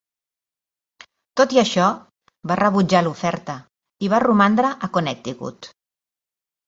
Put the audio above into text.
Tot i això, va rebutjar l'oferta i va romandre a Connecticut.